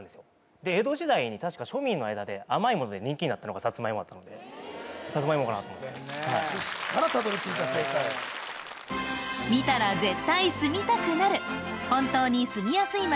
で江戸時代に確か庶民の間で甘いもので人気になったのがさつまいもだったのでさつまいもかなあと知識からたどりついた正解見たら絶対住みたくなる本当に住みやすい街